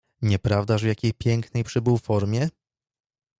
"Nieprawdaż w jakiej pięknej przybył formie?"